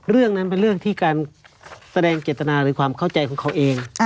เรื่องนั้นเป็นเรื่องที่การแสดงเจตนาหรือความเข้าใจของเขาเอง